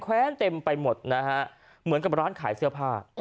แว้นเต็มไปหมดนะฮะเหมือนกับร้านขายเสื้อผ้า